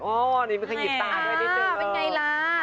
อ๋อนี่เป็นขนหยิบตายอ่ะนี่ตื่นเตอร์เป็นไงล่ะ